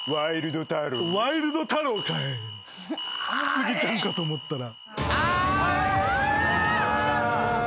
スギちゃんかと思ったら。